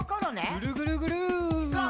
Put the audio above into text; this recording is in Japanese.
ぐるぐるぐる。